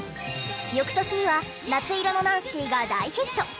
翌年には『夏色のナンシー』が大ヒット！